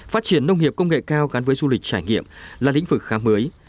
phát triển nông nghiệp công nghệ cao gắn với du lịch trải nghiệm là lĩnh vực khá mới